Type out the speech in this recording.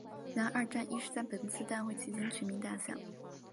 然而二战亦是在本次大会期间全面打响。